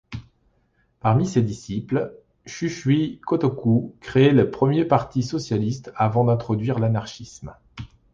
Parmi ses disciples, Shūsui Kōtoku créera le premier parti socialiste avant d'introduire l'anarchisme.